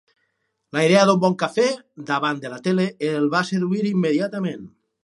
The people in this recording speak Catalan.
La idea d'un bon cafè davant de la tele el va seduir immediatament.